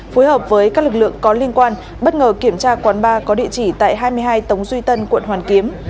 phối hợp với các lực lượng có liên quan bất ngờ kiểm tra quán ba có địa chỉ tại hai mươi hai tống duy tân quận hoàn kiếm